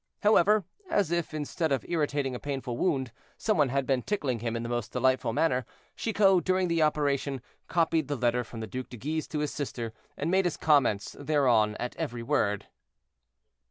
However, as if, instead of irritating a painful wound, some one had been tickling him in the most delightful manner, Chicot, during the operation, copied the letter from the Duc de Guise to his sister, and made his comments thereon at every word.